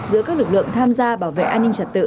giữa các lực lượng tham gia bảo vệ an ninh trật tự